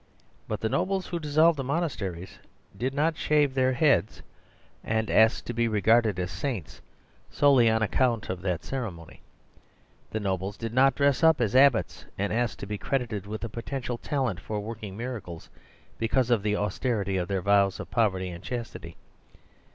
But the nobles who dissolved the monasteries did not shave their heads, and ask to be regarded as saints solely on account of that ceremony. The no bles did not dress up as abbots and ask to be credited with a potential talent for working miracles, because of the austerity of their vows of poverty and chastity.